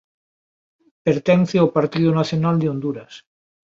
Pertence ao Partido Nacional de Honduras.